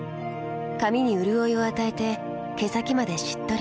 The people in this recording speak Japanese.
髪にうるおいを与えて毛先までしっとり。